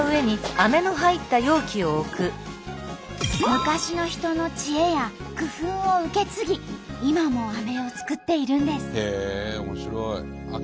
昔の人の知恵や工夫を受け継ぎ今もアメを作っているんです。